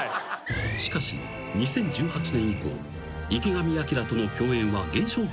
［しかし２０１８年以降池上彰との共演は減少傾向に］